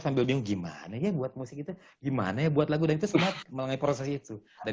sambil bingung gimana ya buat musik itu gimana ya buat lagu dan itu semua melalui proses itu dan